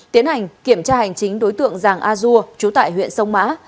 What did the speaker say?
tiến hành kiểm tra hành chính đối tượng giàng a dua chú tại huyện sông mã